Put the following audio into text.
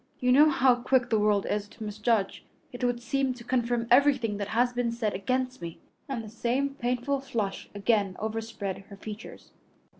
You know how quick the world is to misjudge. It would seem to confirm everything that has been said against me," and the same painful flush again overspread her features.